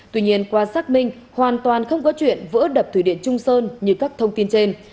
tuy nhiên qua xác minh hoàn toàn không có chuyện vỡ đập thủy điện trung sơn như các thông tin trên